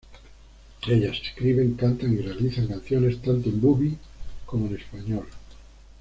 Ellas escriben, cantan y realizan canciones tanto en bubi como en español.